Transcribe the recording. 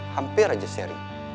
hampir aja seri